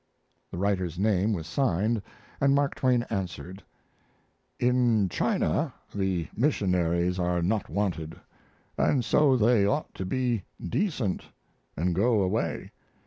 The writer's name was signed, and Mark Twain answered: In China the missionaries are not wanted, & so they ought to be decent & go away.